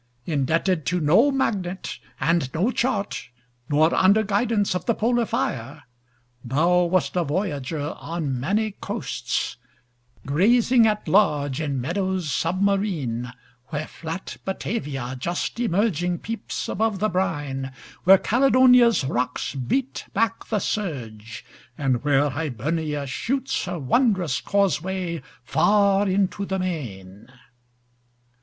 Indebted to no magnet and no chart, Nor under guidance of the polar fire, Thou wast a voyager on many coasts, Grazing at large in meadows submarine, Where flat Batavia just emerging peeps Above the brine, where Caledonia's rocks Beat back the surge, and where Hibernia shoots Her wondrous causeway far into the main.